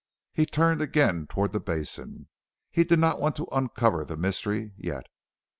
He turned again toward the basin. He did not want to uncover the mystery yet.